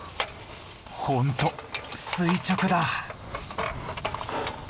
本当垂直だ。